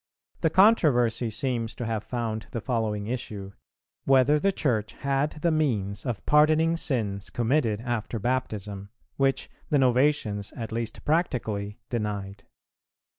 [385:2] The controversy seems to have found the following issue, whether the Church had the means of pardoning sins committed after Baptism, which the Novatians, at least practically, denied.